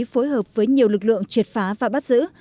với nhiều lực lượng triệt phá và bắt giữ